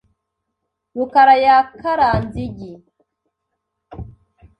rukara yakaranze igi .